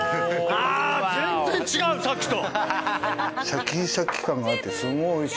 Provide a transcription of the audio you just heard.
ああ全然違うさっきと！